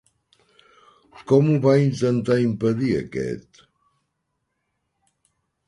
Com ho va intentar impedir aquest?